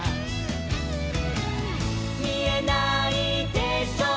「みえないでしょう